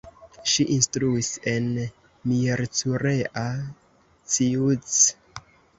Ŝi instruis en Miercurea Ciuc.